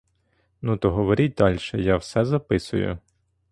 Ну то говоріть дальше, я все записую.